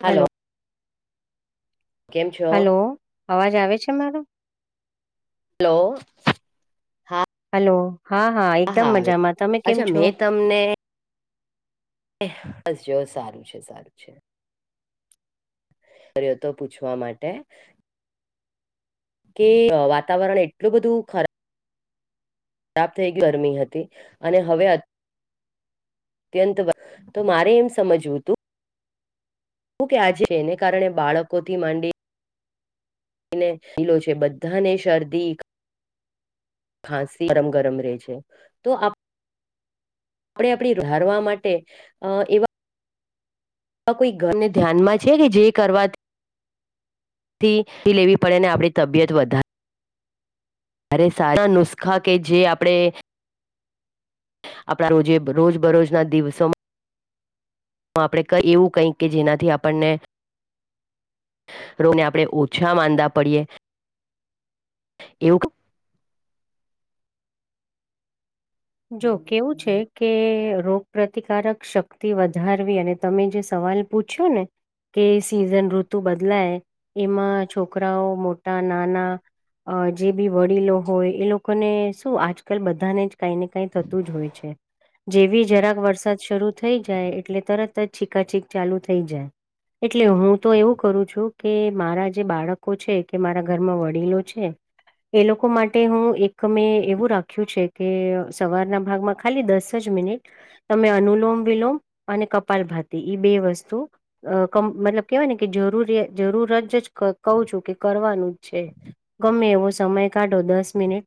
Hello કેમ છો hello અવાજ આવે છે મારો? હલો હા હલો હા હા એકદમ મજામાં તમે કેમ છો? અમને એ બસ જો સારું છે સારું છે. કર્યો તો પૂછવા માટે કે વાતાવરણ એટલું બધું ખરા બ થઈ ગરમી હતી અને હવે અત્યંત તો મારે એમ સમજવું હતું શું કે આજે એને કારણે બાળકો થી માંડી અને લીલો છે બધાંને શરદી ખાંસી ગરમ ગરમ રહે છે, તો આપ આપણે આપણી ધારવા માટે અ એવા આ કોઈ ઘરને ધ્યાનમાં છે કે જે કરવા થી લેવી પડે ને આપણી તબિયત વધા અરે સારા નુસખા કે જે આપડે આપણા રોજે રોજ બરોજના દિવસોમાં આપણે ક એવું કઈક કે જેનાથી આપણને રોગને આપણે ઓછા માંદા પડીએ એવું ક જો કેવું છે કે રોગ પ્રતિકારક શક્તિ વધારવી અને તમે જે સવાલ પૂછ્યો ને કે સિઝન ઋતુ બદલાય એમાં છોકરાઓ મોટા નાના અ જે બી વડીલો હોય એ લોકોને શું આજકાલ બધાને જ કઈ ને કઈ થતું જ હોય છે. જેવી જરાક વરસાદ શરૂ થઈ જાય એટલે તરત જ છીકાછીક ચાલુ થઇ જાય. એટલે હું તો એવું કરું છું કે મારા જે બાળકો છે કે મારા ઘરમાં વડીલો છે. એ લોકો માટે હું એક મેં એવું રાખ્યું છે. કે સવારના ભાગમાં ખાલી દસ જ મિનિટ તમે અનુલોમ વિલોમ અને કપાલ ભાતી ઈ બે વસ્તુ અ મતલબ કેવાય ને કે જરૂર જરૂર જ જ કું છું કે કરવાનું જ છે ગમે એવો સમય કાઢો દસ મિનિટ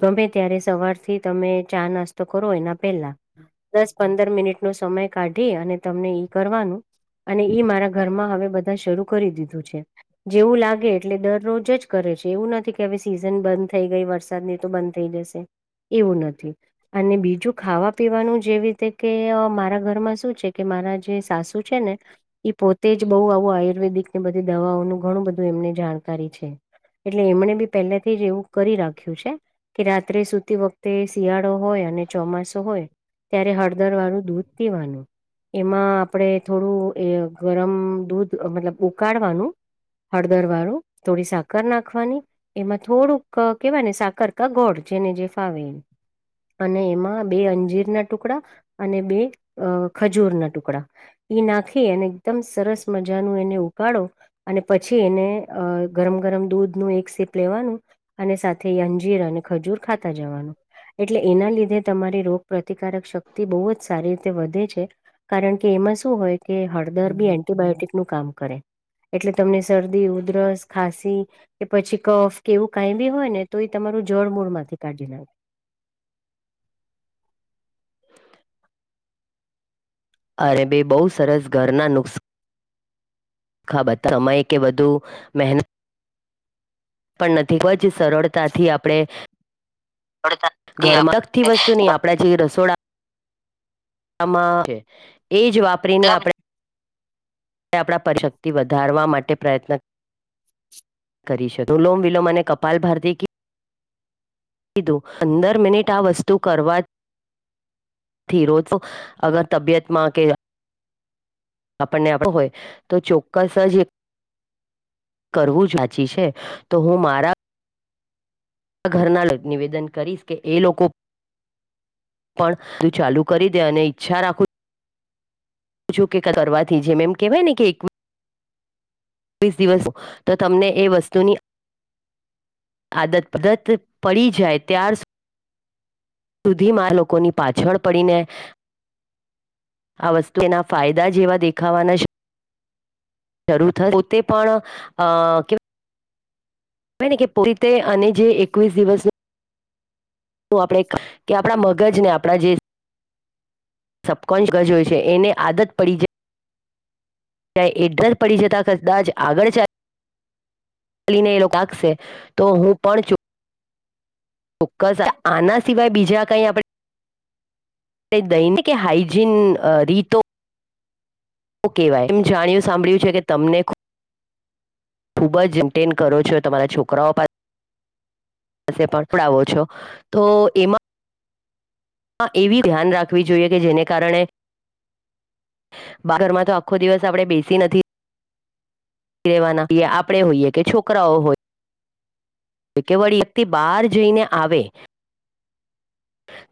ગમે ત્યારે સવારથી થી તમે ચા નાસ્તો કરો એના પહેલા દસ પંદર મિનિટ નો સમય કાઢી અને તમને ઈ કરવાનું અને ઈ મારા ઘરમાં હવે બધા શરૂ કરી દીધું છે. જેવું લાગે એટલે દરરોજ જ કરે છે એવું નથી કે હવે સિઝન બંધ થઈ ગઈ વરસાદની તો બંધ થઈ જશે એવું નથી અને બીજું ખાવા પીવાનું જેવી રીતે કે મારા ઘરમાં શું છે કે મારા જે સાસુ છે ને એ પોતે જ બહુ આવું આયુર્વેદિક ની બધી દવાઓનું ઘણું બધું એમને જાણકારી છે. એટલે એમણે બી પહેલાથી જ એવું કરી રાખ્યું છે કે રાત્રે સુતી વખતે તે શિયાળો હોય અને ચોમાસું હોય ત્યારે હળદર વાળું દૂધ પીવાનું એમાં આપડે થોડું એ ગરમ દૂધ મતલબ ઉકાળવાનું હળદર વાળું થોડી સાકર નાખવાની એમાં થોડુંક કેવાય ને સાકર ક ગોળ જેને જે ફાવે અને એમાં બે અંજીર ના ટુકડા અને બે અ ખજૂર ના ટુકડા નાખી અને એકદમ સરસ મજાનું એને ઉકાાળો અને પછી એને અ ગરમ ગરમ દૂધ નું એક સેપ લેવાનું અને સાથે અંજીર અને ખજૂર ખાતા જવાનું એટલે એના લીધે તમારી રોગ પ્ર્રતિકારક શક્તિ બહુ જ સારી રીતે વધે છે. કારણ કે એમાં શું હોય કે હળદર બી એન્ટિબાયોટીિક નું કામ કરે. એટલે તમને શરદી ઉધરસ ખાંસી કે પછી કફ કે એવું કઈ બી હોય ને તો એ તમારું જળ મૂળ માંથી કાઢી નાખે. અરે બે બહુ સરસ ઘરના નુક ખબર સમય કે વધુ મહેનત પણ નથી ખબ જ સરળતાથી આપણેે ગણતરી ઘરમાં અલગતી આપે વસ્તુની આપ આપણા જે રસોડા માં એ જ વાપરીને મતલબ આપણે આપણા પરશક્તિ વધારવા માટે પ્રયત્ન કરી શકો અલોમ વિલોમ અને કપાલ ભારતી કે પંદર મિનિટ આ વસ્તુ કરવા રોજ અગર તબિયત માં કે આપણને આપ હોય તો ચોક્કસ જ કરવું વાચી છે તો હું મારા આ ઘરનાળક નિવેદન કરીશ કે એ લોકો પણ તું ચાલુ કરી દે અને ઈચ્છા રાખું છું કે કરવાથી જેમ એમ કેહેવાય ને કે એક ીસ દિવસ તો તમને એ વસ્તુની આદત પત પડી જાય ત્યાર સુધી સુધીમાં લોકોની પાછળ પડીને આ વસ્તુ એના ફાયદા જેવા દેખાવાના છે શરૂ થાય પોતે પણ અ ને કે પરી રીતે અને જે એકવીસ દિવસનું શું આપણેે કે આપણા મગજને આપણા જે સબકોન્સ ગજ હોય છે એને આદત પડી જાય ત્યાં એડ્રસ પડી જતા કદાચ આગળ ચાય લીને એ લોકો કાકશે તો હું પણ ચોક્કસ આના સિવાય બીજા કઈ આપડ દૈનિક હાાઈજીન રીતો ઓકેવાય એમ જાણ્યું સાંભળ્યું છે કે તમને ખૂબ જ ન્ટેન કરો છો તમારા છોકરાઓ પાસે પા પણડાવો છો તો એમાં એવી ધ્યાન રાખવી જોઈએ કે જેને કારણે બારમાં તો આખો દિવસ આપડે બેસી નથી રેવાના આપડે હોઈએ કે છોકરાઓ હોય તો કેવળ વ્યક્તિ બહાર જઈને આવે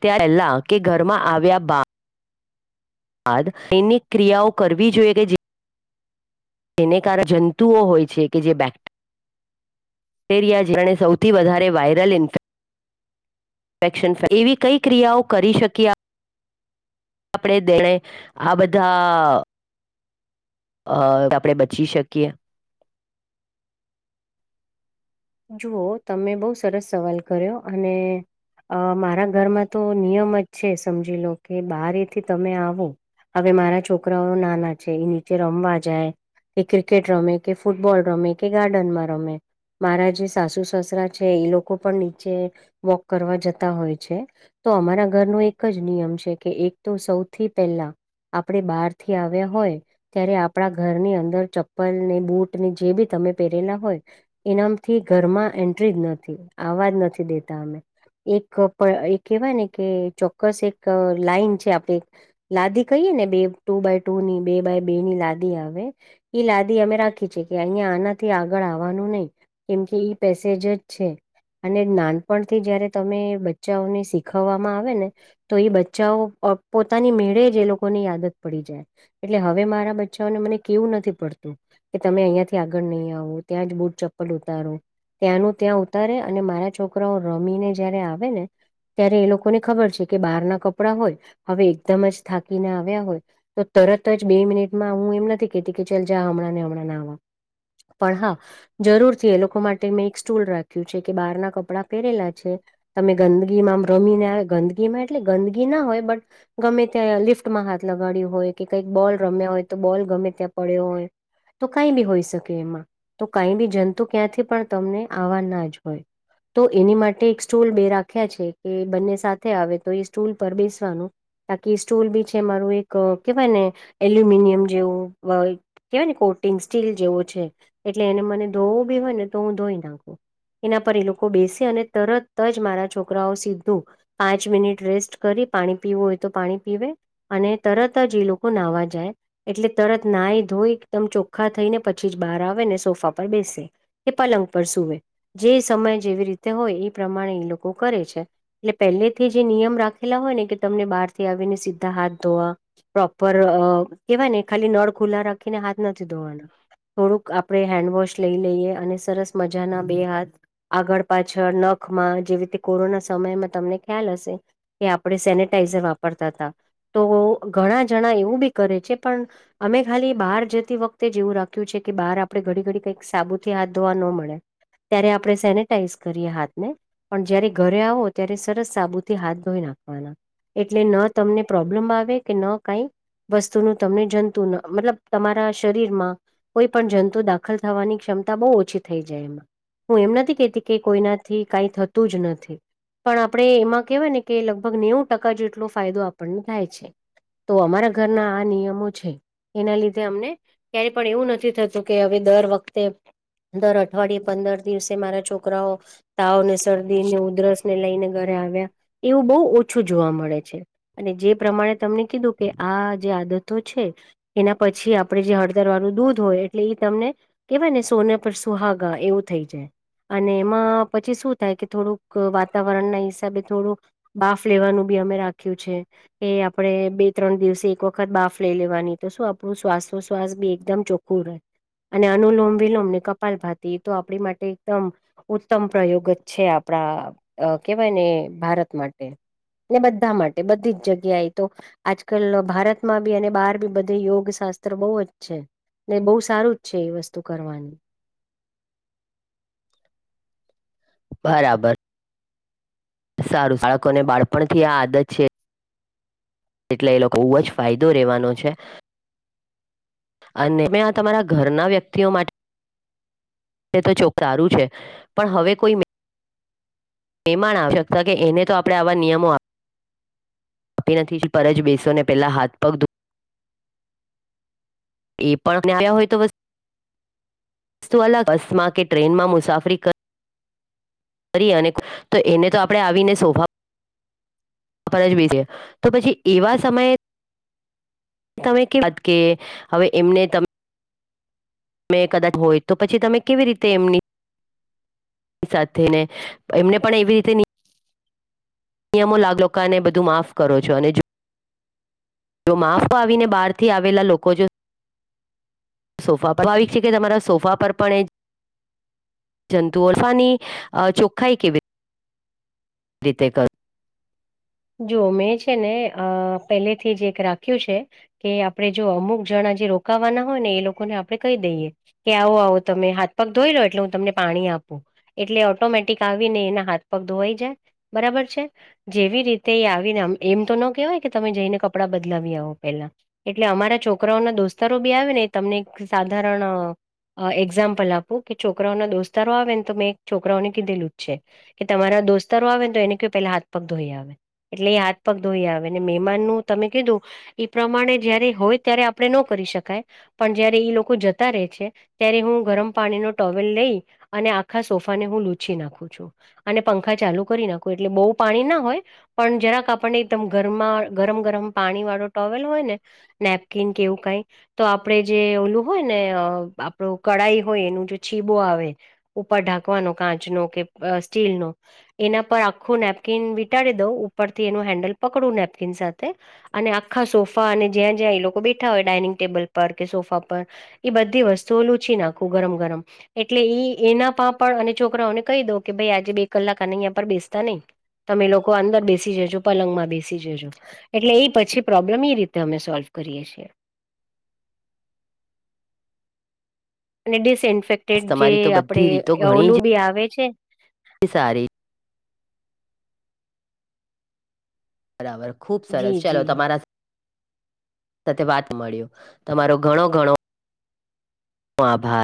ત્યાં પહેલા કે ઘરમાં આવ્યા બા બાદ સૈનિક ક્રિયાઓ કરવી જોઈએ કે જે તેને કારણે જંતુઓ હોય છે કે જે બેક્ટ બેક્ટેરિયાણે સૌથી વધારે વાયરલ ઇન્ફેક ક્શન એવી કઈ ક્રિયાઓ કરી શકી્યા આપણે દેણે આ બધા અ આપડણે બચી શકીએ જુઓ તમે બહુ સરસ સવાલ કર્યો અને અ મારા ઘરમાં તો નિયમ જ છે સમજી લો કે બારથી તમે આવો હવે મારા છોકરાઓ નાના છે એ નીચે રમવા જાય કે ક્રિકેટ રમે કે ફૂટબોલ રમે કે ગાર્ડનમાં રમે મારા જે સાસુ સસરા છે એ લોકો પણ નીચે વોક કરવા જતા હોય છે તો અમારા ઘરનો એક જ નિયમ છે કે એક તો સૌથી પહેલા આપણે બહાર થી આવ્યા હોય ત્યારે આપણા ઘરની અંદર ચપ્પલ ને બુટ ની જે બી તમે પહેરેલા હોય ઇનામથી ઘરમાં એન્ટ્રી જ નથી આવાજ નથી દેતા અમે એક એક કેહેવાય ને કે ચોક્કસ એક લાાઈન છે આપડ લાદી કહીએ ને બે ટુ બાય ટુ ની બે બાય બે ની લાદી આવે ઈ લાદી અમે રાખી છીએ કે અહીિયાયા આનાથી આગળ આવવાનું નહીિ કેમ કે પેસેજર જ છે અને નાનપણથી જયારે તમે બચ્ચાઓને શીખવવામાં આવે ને તો એ બચ્ચાઓ પોતાની મેળે જે એ લોકો ની આદત પડી જાય એટલે હવે મારા બચ્ચાઓને મને કેવું નથી પડતું કે તમે અહીંયાથી આગળ નહીં આવો ત્યાં જ બુટ ચ ઉતારો ત્યાંનું ત્યાં ઉતારે અને મારા છોકરાઓ રમીને જયારે આવે ને ત્યારે એ લોકોને ખબર છે કે બહાર ના કપડા હોય હવે એકદમ જ થાકીને આવ્યા હોય તો તરત જ બે મિનિટમાં હું એમ નથી કેતી કે ચાલ જા હમણાં ને હમણાં ના આવવા પણ હા જરૂરથી એ લોકો માટે મેં એક સ્ટૂલ રાખ્યું છે કે બહાર ના કપડા પહેરેલા છે તમે ગંદગીમાં રમીને આવે ગંદગીમાં એટલે ગંદગી ના હોય બટ ગમે ત્યાં લિફ્ટમાં હાથ લગાડ્યું હોય કે કંઈક બોલ રમ્યા હોય તો બોલ ગમે ત્યાં પડ્યો હોય તો કઈ બી હોઈ શકે એમાં કઈ બી જંતુ ક્યાંથી પણ તમને આવવા ના જ હોય તો એની માટે એક સ્ટૂલ બે રાખ્યા છે કે બંને સાથે આવે તો એ સ્ટૂલ પર બેસવાનું બાકી સ્ટૂલ બી છે મારું એક કેહેવાય ને એલ્યુમિનિયમ જેવું કેવાય ને કોટિંગ સ્ટીલ જેવો છે એટલે એને મને ધોવું બી હોય ને તો હું ધોઈ નાખું એના પર એ લોકો બેસે અને તરત જ મારા છોકરાઓ સીધું પાંચ મિનિટ રેસ્ટ કરી પાણી પીવું હોય તો પાણી પીવે અને તરત જ જ એ લોકો નાહવા જાય એટલે તરત નાઈ ધોઈ એકદમ ચોખ્ખા થઈ ને પછી જ બહાર આવે ને સોફા પર બેસે એ પલંગ પર સૂવે જે સમય જેવી રીતે હોય એ પ્રમાણે એ લોકો કરે છે એટલે પહેલેથી જે નિયમ રાખેલા હોય ને કે તમને બહાર થી આવીને સીધા હાથ ધોવા પ્રોપર કેવાય ને ખાલી નળ ખુલ્લા રાખીને હાથ નથી ધોવાના થોડુંક આપણે હેન્ડવોશ લઈ લઈએ અને સરસ મજાના બે હાથ આગળ પાછળ નખમાં જેવી રીતે કોરોના સમયમાં તમને ખ્યાલ હશે કે આપણે સેનટાઈઝર વાપરતા હતા તો ઘણા જણા એવું બી કરે છે પણ અમે ખાલી બહાર જતી વખતે જેવું રાખ્યું છે કે બાર આપણે ઘડી ઘડી કઈક સાબુથી હાથ ધોવા ન મળે ત્યારે આપણે સેનેટાઈઝ કરીએ હાથને પણ જયારે ઘરે આવો ત્યારે સરસ સાબુથી હાથ ધોઈ નાખવાના એટલે ન તમને પ્રોબ્લેમ આવે કે ન કઈ વસ્તુનું તમને જંતુ મતલબ તમારા શરીરમાં કોઈ પણ જુ તો દાખલ થવાની ક્ષમતા બહુ ઓછી થઈ જાય એમાં હું એમ નથી કેતી કે કોઈનાથી કઈ થતું જ નથી પણ આપણે એમાં કહેવાય ને કે લગભગ નેવું ટકા જેટલો ફાયદો આપણને થાય છે તો અમારા ઘરના આ નિયમો છે એના લીધે અમને ક્યારેય પણ એવું નથી થતું કે હવે દર વખતે દર અઠવાડિયે પંદર દિવસે મારા છોકરાઓ તાવને શરદીને ઉધરસને લઈને ઘરે આવ્યા એવું બહુ ઓછું જોવા મળે છે અને જે પ્રમાણે તમને કીધું કે આ જે આદતો છે એના પછી આપડે જે હળદર વાળું દૂધ હોય એટલે એ તમને કેહેવાય ને સોના પર સુહાગા એવું થઈ જાય અને એમાં પછી શું થાય કે થોડુંક વાતાવરણ ના હિસાબે થોડુંક બાફ લેવાનું બી અમે રાખ્યું છે એ આપણે બે ત્રણ દિવસે એક વખત બાફ લઈ લેવાની તો શું આપણું શ્વાસોશ્વાસ બી એકદમ ચોખ્ખું રહે અને અનુલોમ વિલોમ ને કપાલ ભાતી એ તો આપણી માટે એકદમ ઉત્તમ પ્રયોગ જ છે આપણા કેવાય ને ભારત માટે ને બધા માટે બધી જ જગ્યાએ તો આજકાલ ભારતમાં બી અને બહાર બી બધે યોગ શાસ્ત્ર બહુ જ છે ને બહ સારું જ છે એ વસ્તુ કરવાની બરાબર સારું બાળકો ને બાળપણ થી આ આદત છે એટલે એ લોકો બુ જ ફાયદો રહેવાનો છે અને મે આ તમારા ઘરના વ્યક્તિઓ માટે એ તો ચોક સારું છે પણ હવે કોઈ એમાણ આવશકતા કે એને તો આપડણે આવા નિયમો આપ આપી નથી પર જ બેસો પલા હાથ પગ દ એ પણને આવ્યા હોય તો બસ સ્તુ બસ માં કે ટ્રેનમાં મુસાફરી કરી કરીએ અને તો એને તો આપણે આવીને શોભા જ કર ઙબી છે તો પછી એવા સમયે તમે કે વાત કે હવે એમને ત તમે કદાચ હોય તો પછી તમે કેવી રીતે એમની સાથે ને એમને પણ એવી રીતે નિયમો લાગલોકાને બધું માફ કરો છો અને જો જો માફ પાીને બહાર થી આવેલા લોકો જો સોફા પર ભાવિક છે કે તમારા સોફા પર પણ એ જંતુ અરફાની ચોખ્ખાઈ કેવી રીતે કર જો મેં છે ને અ પહેલેથી જે એક રાખ્યું છે કે આપણે જો અમુક જણા જે રોકાવાના હોય ને એ લોકોને આપણે કહી દઈએ કે આવો આવો તમે હાથ પગ ધોઈ લો એટલે હું તમને પાણી આપું એટલે ઓટોમેટિક આવીને એના હાથ પગ ધોવાઈ જાય બરાબર છે જેવી રીતે તે આવીને એમ તો ન કેહેવાય કે તમે જઈને કપડાં બદલાવી આવો પેલા એટલે અમારા છોકરાઓના દોસ્તારો બી આવે ને તમને એક સાધારણ એક્ઝામ્પલ આપું કે છોકરાઓના દોસ્તારો આવે ને તો મેં એક છોકરાઓને કીધેલું જ છે કે તમારા દોસ્તારો આવે ને તો એને કો પેલા હાથ પગ ધોઈ આવે એટલે એ હાથ પગ ધોઈ આવે ને મહેમાનનું તમે કીધું એ પ્રમાણે જયારે હોય ત્યારે આપણે ન કરી શકાય. પણ જયારે ઈ લોકો જતા રહે છે, ત્યારે હું ગરમ પાણી ન ટોવેલ લઈ અને આખા સોફા ને હું લૂચી નાખું છું. અને પંખા ચાલુ કરી નાખો એટલે બહુ પાણી ના હોય. પણ જરાક આપણને એકદમ ગરમાં ગરમ ગરમ પાણી વાળો ટોવેલ હોય ને નેપકીન કેવું કઈ તો આપણેે જે ઓલું હોય ને આપણું કળાઈ હોય એનું જો છીબો આવે ઉપર ઢાકવાનો કાંચ નો કે સ્ટીલનો. એના પર આખું નેપકીન વિટાડી દઉં ઉપરથી એનું હેન્ડલ પકડું નેપકીન સાથે અને આખા સોફા અને જ્યાં જ્યાં એ લોકો બેઠા હોય ડાઇનિંગ ટેબલ પર કે સોફા પર એ બધી વસ્તુઓ લુચી નાખું ગરમ ગરમ એટલે ઈ એના પણ પણ અને છોકરાઓને કહી દઉં કે ભાઈ આજે બે કલાક આ અહીંયા પર બેસતા નહી તમે લોકો અંદર બેસી બે જજો પલંગ માં બેસી જજો એટલે એ પછી પ્રોબ્લેમ એ રીતે અમે સોલ્વ કરીએ છીએ. અને ડિસઇન્ફેક્ટેડ જે તમારી તો આપડે બધી ઓવલું બી આવે છે. એ સારી બરાબર ખુબ જી સરસ ચાલો જી તમારા સાથે વાત મળ્યો તમારો ઘણો ઘણો આભાર.